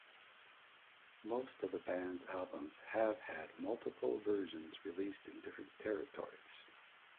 Most of the band's albums have had multiple versions released in different territories.